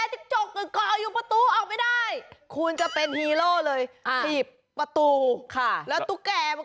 โดยเฉพาะเพื่อนที่นั่งข้าง